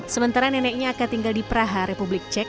sementara neneknya akan tinggal di praha republik cek